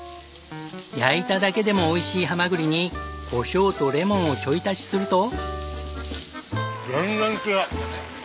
焼いただけでもおいしいハマグリにコショウとレモンをちょい足しすると。